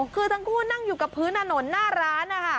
คือทั้งคู่นั่งอยู่กับพื้นถนนหน้าร้านนะคะ